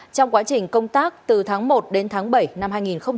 trong quá trình công tác từ tháng một đến tháng bảy năm hai nghìn hai mươi